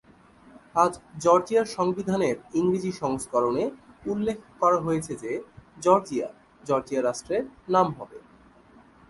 আজ জর্জিয়ার সংবিধানের ইংরেজি সংস্করণে উল্লেখ করা হয়েছে যে, "জর্জিয়া জর্জিয়ার রাষ্ট্রের নাম হবে।"